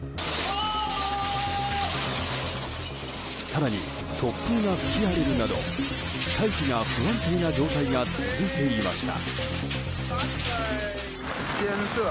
更に突風が吹き荒れるなど大気が不安定な状態が続いていました。